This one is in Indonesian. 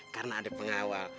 karena ada pengawal